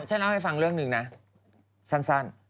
ฉันเล่าให้ฟังเรื่องหนึ่งนะสั้น